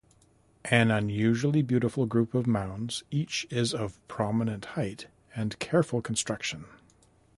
An unusually beautiful group of mounds, each is of prominent height and careful construction.